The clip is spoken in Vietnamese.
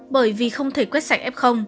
bởi vì không thể quét sức